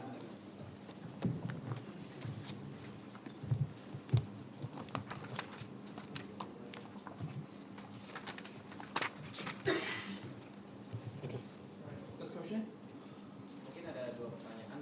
rakan provokasi yang terlalu berlebihan